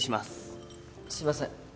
すいません。